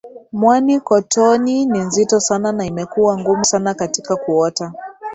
Mwani Kotonii ni nzito sana na imekuwa ngumu sana katika kuota